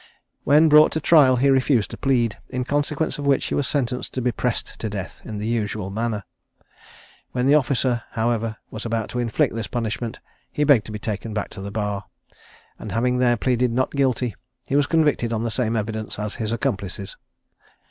When brought to trial he refused to plead, in consequence of which he was sentenced to be pressed to death in the usual manner. When the officer, however, was about to inflict this punishment, he begged to be taken back to the bar, and having there pleaded Not Guilty, he was convicted on the same evidence as his accomplices.